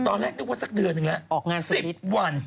ตอนแรกนึกว่าสักเดือนหนึ่งแล้วออกงาน๑๐วัน